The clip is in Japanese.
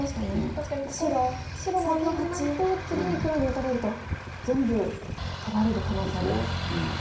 確かにここ白も手入れないと次に黒に打たれると全部取られる可能性ありますか。ですね。